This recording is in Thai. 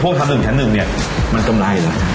พวกชั้นหนึ่งเนี่ยมันกำไรเหรอ